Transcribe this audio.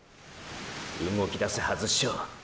動きだすはずショ。